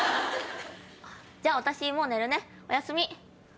じゃあ私もう寝るねおやすみ。